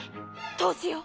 どうしよう！